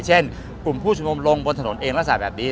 เช่นกลุ่มผู้ชุมนุมลงบนถนนเองราศาสตร์แบบนี้